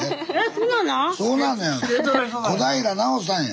小平奈緒さんや。